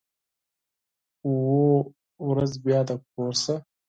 او، ورځ بیا د کور څخه